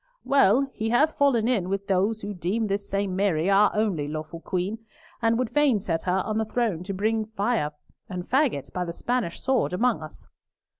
Well, he had fallen in with those who deem this same Mary our only lawful Queen, and would fain set her on the throne to bring back fire and faggot by the Spanish sword among us."